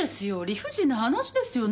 理不尽な話ですよ。